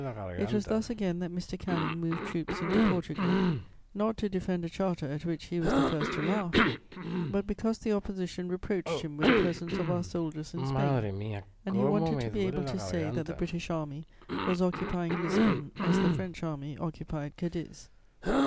It was thus again that Mr. Canning moved troops into Portugal, not to defend a Charter at which he was the first to laugh, but because the Opposition reproached him with the presence of our soldiers in Spain and he wanted to be able to say that the British Army was occupying Lisbon as the French Army occupied Cadiz.